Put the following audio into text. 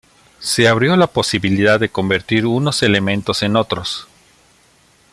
Se abrió la posibilidad de convertir unos elementos en otros.